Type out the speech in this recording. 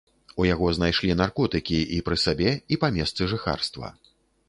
У яго знайшлі наркотыкі і пры сабе, і па месцы жыхарства.